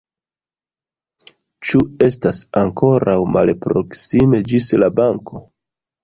Ĉu estas ankoraŭ malproksime ĝis la banko?